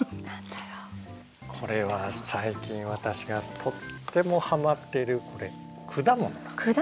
これは最近私がとってもハマってるこれ果物なんです。